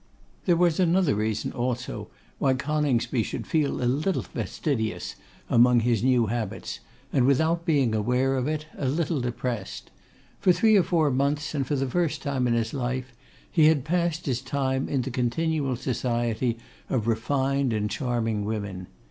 There was another reason, also, why Coningsby should feel a little fastidious among his new habits, and, without being aware of it, a little depressed. For three or four months, and for the first time in his life, he had passed his time in the continual society of refined and charming women.